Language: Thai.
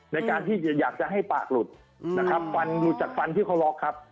ในการที่อยากจะให้ปากหลุดนะครับฟันหลุดจากฟันที่เขาล็อกครับ